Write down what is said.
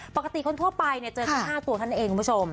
ปกติคนทั่วไปเนี่ยเจอทั้ง๕ตัวท่านเองคุณผู้ชม